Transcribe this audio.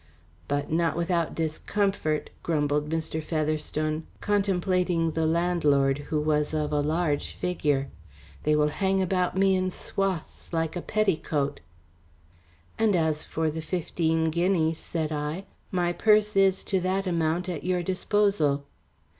"But not without discomfort," grumbled Mr. Featherstone, contemplating the landlord who was of a large figure. "They will hang about me in swathes like a petticoat." "And as for the fifteen guineas," said I, "my purse is to that amount at your disposal."